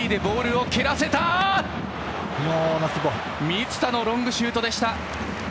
満田のロングシュートでした。